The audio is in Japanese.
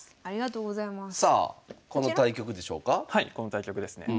この対局ですね。